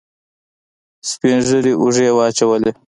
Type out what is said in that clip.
سپينږيري اوږې واچولې.